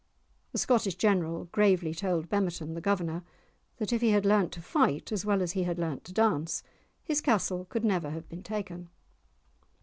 The Scottish general gravely told Bemerton, the governor, that if he had learnt to fight as well as he had learnt to dance his castle could never have been taken!